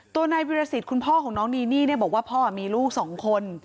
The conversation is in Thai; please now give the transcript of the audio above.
ตัวนายวิรสิตคุณพ่อของน้องนีนี่บอกว่าพ่อมีลูกสองคน